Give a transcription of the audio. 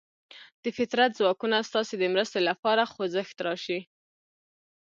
د فطرت ځواکونه ستاسې د مرستې لپاره خوځښت راشي.